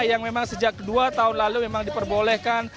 yang memang sejak dua tahun lalu memang diperbolehkan